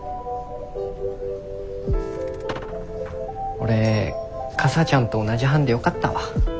俺かさちゃんと同じ班でよかったわ。